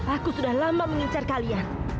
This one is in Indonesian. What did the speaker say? aku sudah lama mengincar kalian